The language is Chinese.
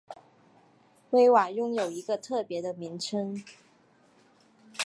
威瓦拥有一个特别的名称。